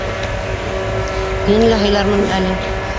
Һине лә һыйлармын әле.